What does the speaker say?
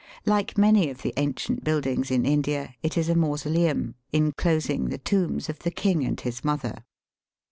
Like many of the ancient buildings in Lidia, it is a mausoleum, inclosing the tombs of the king and his mother.